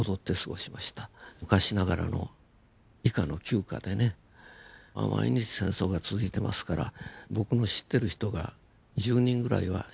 昔ながらの毎日戦争が続いてますから僕の知ってる人が１０人ぐらいは死んでいく。